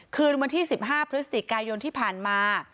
คืนวันที่๑๕พฤศจิกายนที่ผ่านมา